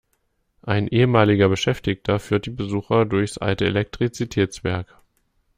Ein ehemaliger Beschäftigter führt die Besucher durchs alte Elektrizitätswerk.